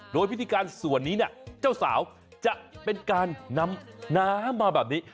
โดยพิธีการส่วนนี้เจ้าสาวจะเป็นการนำน้ำมาแบบนี้